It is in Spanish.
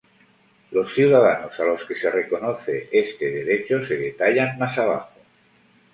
Los ciudadanos a los que se reconoce este derecho se detallan más abajo.